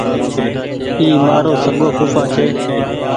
اي مآرو سگو ڦوڦآ ڇي